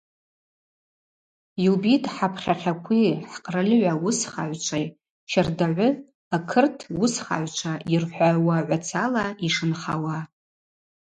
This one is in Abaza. Йубитӏ хӏапхьахьакви хӏкъральыгӏва уысхагӏвчви щардагӏвы акырт уысхагӏвчва йырхӏвауагӏвацала йшынхауа.